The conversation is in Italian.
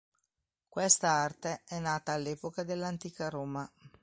Questa arte è nata all'epoca dell'Antica Roma.